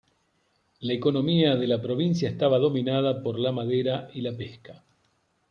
La economía de la provincia estaba dominada por la madera y la pesca.